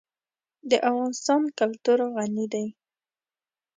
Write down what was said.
د افغانستان کلتور غني دی.